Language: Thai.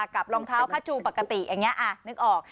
กับรองเท้าคาจูปกติอย่างนี้นึกออก